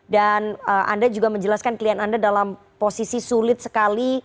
dan anda juga menjelaskan klien anda dalam posisi sulit sekali